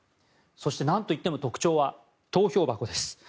そして、何といっても特徴は投票箱です。